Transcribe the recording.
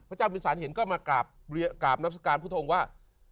พระเจ้าพิสารเห็นก็มากราบนับสการพระพุทธองค์ว่า